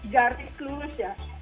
dari klus ya